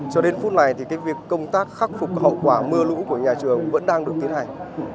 cho đến phút này thì cái việc công tác khắc phục hậu quả mưa lũ của nhà trường vẫn đang được tiến hành